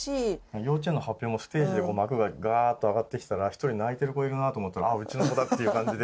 幼稚園の発表もステージで幕ががーっと上がってきたら、１人泣いてる子いるなと思ったら、あっ、うちの子だっていう感じで。